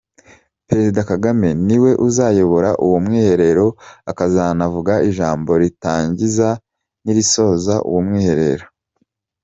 Perezida Kagame ni we uzayobora uwo mwiherero akazanavuga ijambo ritangiza n’irisoza uwo mwiherero.